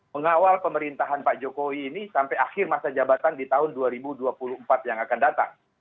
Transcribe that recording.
mengawal pemerintahan pak jokowi ini sampai akhir masa jabatan di tahun dua ribu dua puluh empat yang akan datang